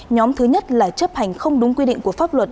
nhóm thứ nhất là chấp hành không đúng quy định của pháp luật